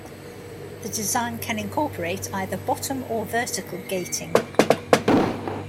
The design can incorporate either bottom or vertical gating.